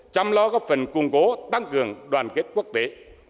chăm lo góp phần củng cố tăng cường đoàn kết quốc tế